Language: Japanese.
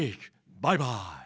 バイバイ。